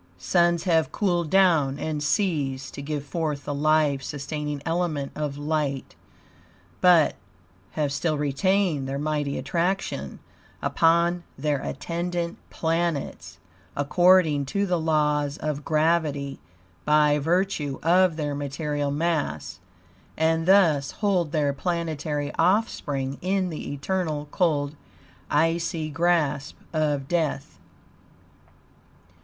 Suns have cooled down and ceased to give forth the life sustaining element of light, but have still retained their mighty attraction upon their attendant planets, according to the laws of gravity, by virtue of their material mass, and thus hold their planetary offspring in the eternal, cold, icy grasp of death.